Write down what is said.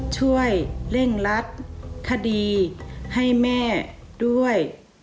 ช่วยเร่งรัดคดีให้แม่ด้วย